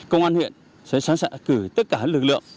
công an huyện sẽ sẵn sàng cử tất cả lực lượng